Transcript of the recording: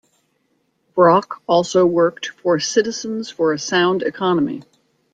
Brock also worked for Citizens for a Sound Economy.